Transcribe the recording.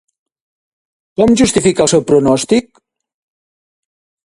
Com justifica el seu pronòstic?